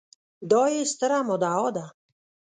دا يې ستره مدعا ده